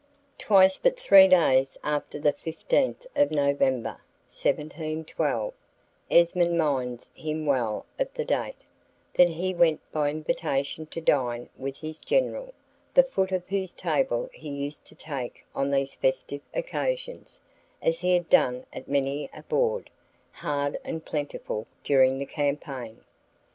'Twas but three days after the 15th of November, 1712 (Esmond minds him well of the date), that he went by invitation to dine with his General, the foot of whose table he used to take on these festive occasions, as he had done at many a board, hard and plentiful, during the campaign.